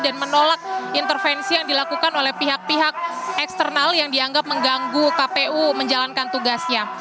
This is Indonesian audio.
dan menolak intervensi yang dilakukan oleh pihak pihak eksternal yang dianggap mengganggu kpu menjalankan tugasnya